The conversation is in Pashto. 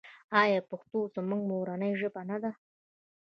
آیا پښتو زموږ مورنۍ ژبه نه ده؟